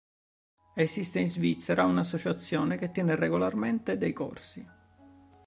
Esiste in Svizzera un'associazione che tiene regolarmente dei corsi.